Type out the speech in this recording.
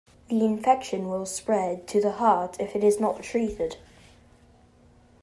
The infection will spread to the heart if it's not treated.